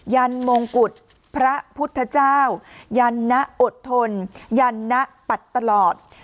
ยันมงกุฎพระพุทธเจ้ายันนะอดทนยันนะปัดตลอด